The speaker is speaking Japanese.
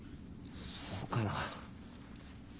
そうかな。